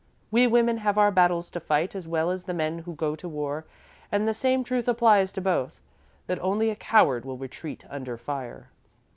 We women have our battles to fight as well as the men who go to war, and the same truth applies to both that only a coward will retreat under fire."